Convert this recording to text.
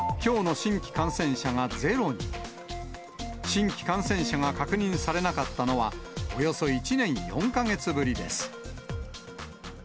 新規感染者が確認されなかったのは、およそ１年４か月ぶりです。